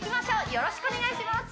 よろしくお願いします！